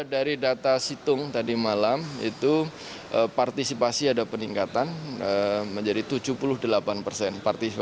dari data situng tadi malam itu partisipasi ada peningkatan menjadi tujuh puluh delapan persen